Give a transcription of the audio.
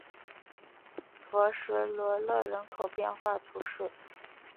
弗什罗勒人口变化图示